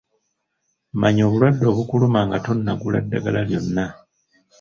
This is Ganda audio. Manya obulwadde obukuluma nga tonnagula ddagala lyonna.